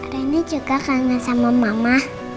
reni juga kangen sama mama